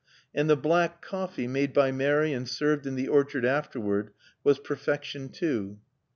And the black coffee made by Mary and served in the orchard afterward was perfection too.